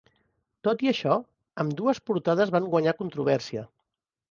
Tot i això, ambdues portades van guanyar controvèrsia.